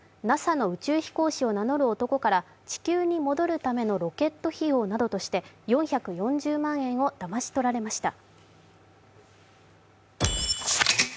ＮＡＳＡの宇宙飛行士を名乗る男から地球に戻るためのロケット費用などとして４４０万円をだまし取られました。